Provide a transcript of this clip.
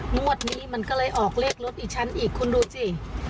งวดนี้มันก็เลยออกเลขรถอีฉันอีกคุณดูสิ